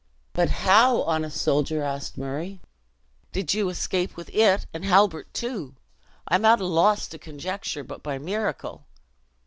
"But how, honest soldier," asked Murray, "did you escape with it, and Halbert, too! I am at a loss to conjecture, but by miracle."